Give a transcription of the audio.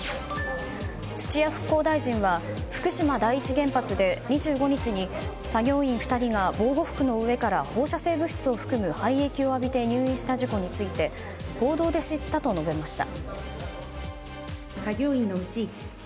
土屋復興大臣は、福島第一原発で２５日に作業員２人が防護服の上から放射性物質を含む廃液を浴びて入院した事故について報道で知ったと述べました。